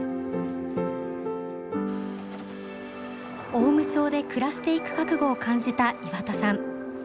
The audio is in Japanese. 雄武町で暮らしていく覚悟を感じた岩田さん。